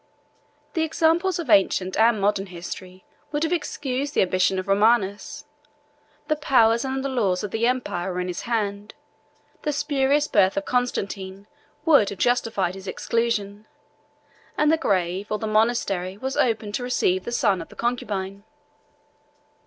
The examples of ancient and modern history would have excused the ambition of Romanus: the powers and the laws of the empire were in his hand; the spurious birth of Constantine would have justified his exclusion; and the grave or the monastery was open to receive the son of the concubine.